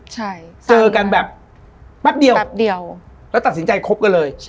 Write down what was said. เจอกันแบบแป๊บเดียวแล้วตัดสินใจคบกันเลย